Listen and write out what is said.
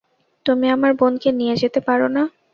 তুমি আমার বোনকে নিয়ে যেতে পারো না।